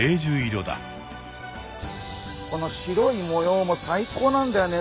この白い模様も最高なんだよね。